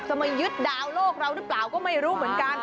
มายึดดาวโลกเราหรือเปล่าก็ไม่รู้เหมือนกัน